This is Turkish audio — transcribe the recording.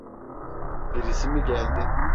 Birisi mi geldi?